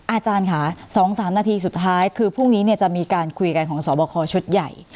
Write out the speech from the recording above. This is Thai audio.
อาจารย์ค่ะ๒๓นาทีสุดท้ายคือพรุ่งนี้จะมีการคุยกันของสอบคอชุดใหญ่